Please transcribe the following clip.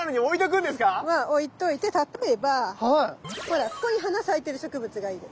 まあ置いといて例えばほらここに花咲いてる植物がいる。